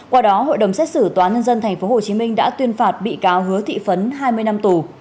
qua đó hội đồng xét xử tòa nhân dân tp hcm đã tuyên phạt bị cáo hứa thị phấn hai mươi năm tù